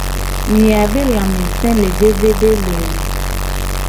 Miabe lamese le vevede looo!